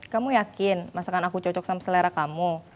kamu yakin masakan aku cocok sama selera kamu